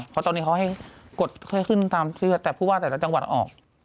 เพราะตอนนี้เขาให้กฎให้ขึ้นตามที่ว่าแต่แต่ละจังหวัดออก